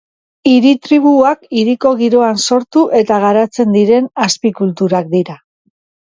Hiri-tribuak hiriko giroan sortu eta garatzen diren azpikulturak dira.